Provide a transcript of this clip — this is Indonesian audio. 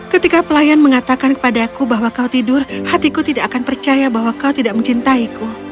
ketika pelayan mengatakan kepadaku bahwa kau tidur hatiku tidak akan percaya bahwa kau tidak mencintaiku